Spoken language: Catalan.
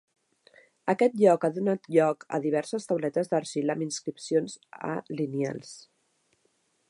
Aquest lloc ha donat lloc a diverses tauletes d'argila amb inscripcions A lineals.